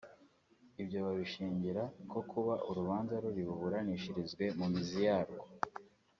Ibyo babishingira ko kuba urubanza ruri buburanishirizwe mu mizi yarwo